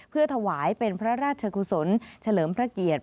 เพื่อถวายเป็นพระราชกุศลเฉลิมพระเกียรติ